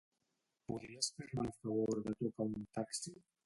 Podries fer-me el favor de trucar a un taxi?